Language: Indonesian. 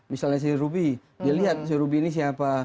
misalnya si ruby dia lihat si ruby ini siapa